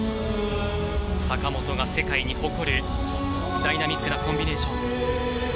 坂本が世界に誇るダイナミックなコンビネーション。